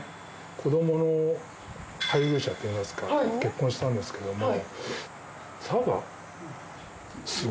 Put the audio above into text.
子供の配偶者っていいますか結婚したんですけども。